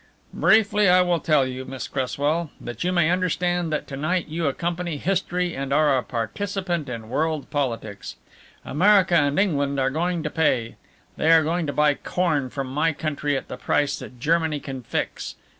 "Briefly I will tell you, Miss Cresswell, that you may understand that to night you accompany history and are a participant in world politics. America and England are going to pay. They are going to buy corn from my country at the price that Germany can fix.